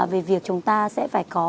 về việc chúng ta sẽ phải có